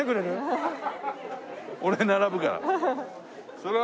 俺並ぶか。